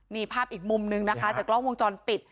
นี่ภาพอีกมุมนึงนะคะจากกล้องวงจรปิด